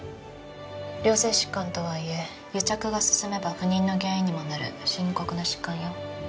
良性疾患とはいえ癒着が進めば不妊の原因にもなる深刻な疾患よ。